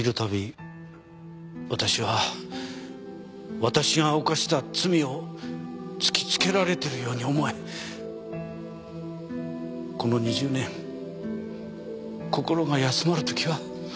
私は私が犯した罪を突きつけられてるように思えこの２０年心が休まる時は一瞬もなかった。